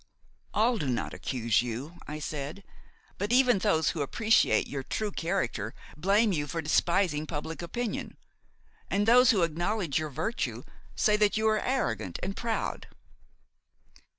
"All do not accuse you," I said; "but even those who appreciate your true character blame you for despising public opinion, and those who acknowledge your virtue say that you are arrogant and proud."